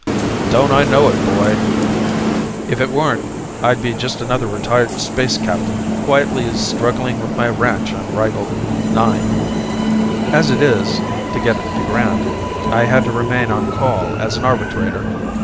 "Don't I know, boy! If it weren't, I'd be just another retired space captain, quietly struggling with my ranch on Rigel IX. As it is, to get the grant, I had to remain on call as an arbitrator."